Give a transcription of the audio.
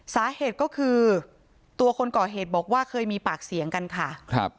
สาเหตุก็คือตัวคนก่อเหตุบอกว่าเคยมีปากเสียงกันค่ะครับ